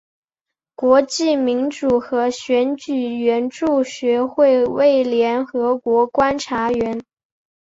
国际民主和选举援助学会为联合国观察员。